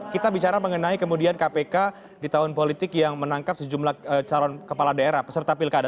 kita bicara mengenai kemudian kpk di tahun politik yang menangkap sejumlah calon kepala daerah peserta pilkada